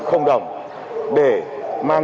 không đồng để mang